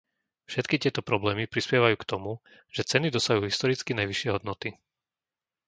Všetky tieto problémy prispievajú k tomu, že ceny dosahujú historicky najvyššie hodnoty.